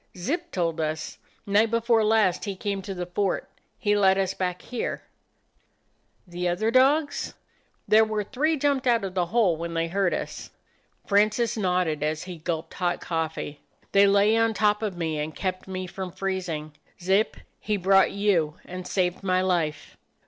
"Zip told us. Night before last he came to the fort. He led us back here." "The other dogs?" "There were three jumped out of the hole when they heard us." Francis nodded, as he gulped hot coffee. "They lay on top of me and kept me from freezing. Zip — he brought you and saved my life!